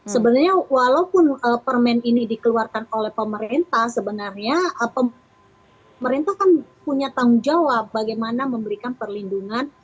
sebenarnya walaupun permen ini dikeluarkan oleh pemerintah sebenarnya pemerintah kan punya tanggung jawab bagaimana memberikan perlindungan